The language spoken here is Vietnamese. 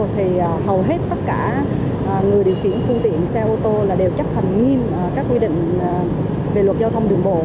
thì hầu hết tất cả người điều khiển phương tiện xe ô tô đều chấp hành nghiêm các quy định về luật giao thông đường bộ